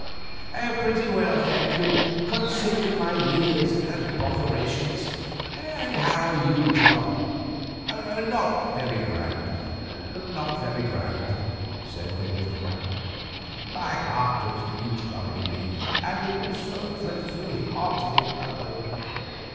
"Pretty well, thank you, considering my years and botherations. And how are you, John?" "Not very grand, not very grand," said the little man; "my heart has been troubling me, and it was so dreadfully hot in London."